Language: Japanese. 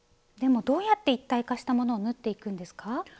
でもどうやって一体化したものを縫っていくんですか？